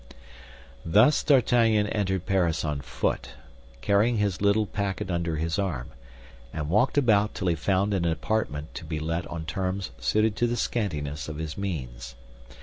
Thus D'Artagnan entered Paris on foot, carrying his little packet under his arm, and walked about till he found an apartment to be let on terms suited to the scantiness of his means.